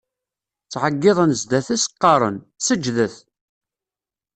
Ttɛeggiḍen zdat-s, qqaren: Seǧǧdet!